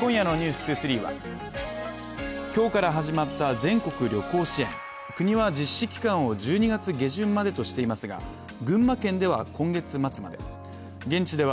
今夜の「ｎｅｗｓ２３」は今日から始まった全国旅行支援国は実施期間を１２月下旬までとしていますが群馬県では今月末まで